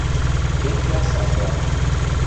Кеквлӓ саслат.